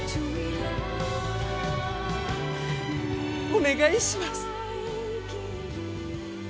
お願いします。